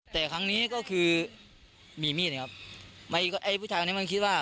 แต่ครั้งนี้ก็คือมีมีดนะครับไอ้ผู้ชายคนนี้มันคิดว่า